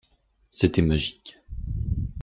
C'était magique.